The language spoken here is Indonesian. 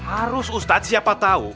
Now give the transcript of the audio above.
harus ustadz siapa tau